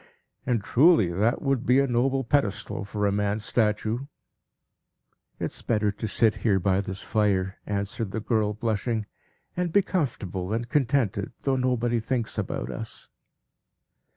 And truly, that would be a noble pedestal for a man's statue!" "It is better to sit here by this fire," answered the girl, blushing, "and be comfortable and contented, though nobody thinks about us."